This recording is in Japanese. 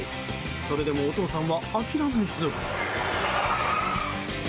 それでもお父さんは諦めず。